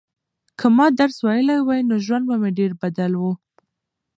که ما درس ویلی وای نو ژوند به مې ډېر بدل و.